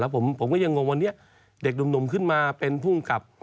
ผมก็ยังงงวันนี้เด็กหนุ่มขึ้นมาเป็นภูมิกับ